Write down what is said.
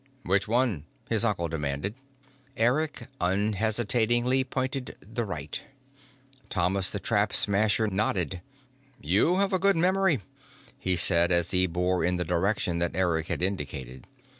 "Which one?" his uncle demanded. Eric unhesitatingly pointed the right. Thomas the Trap Smasher nodded. "You have a good memory," he said as he bore in the direction that Eric had indicated.